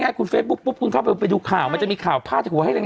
ให้คุณเฟซบุ๊กปุ๊บคุณเข้าไปไปดูข่าวมันจะมีข่าวพาดหัวให้แรง